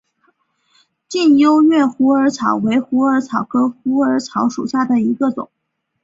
近优越虎耳草为虎耳草科虎耳草属下的一个种。